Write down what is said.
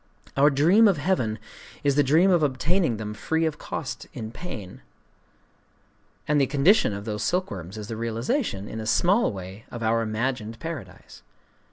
Our dream of heaven is the dream of obtaining them free of cost in pain; and the condition of those silkworms is the realization, in a small way, of our imagined Paradise.